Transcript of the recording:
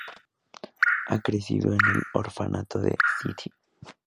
Ha crecido en el orfanato de St.